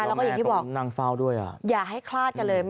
แล้วก็อย่างที่บอกอย่าให้คลาดกันเลย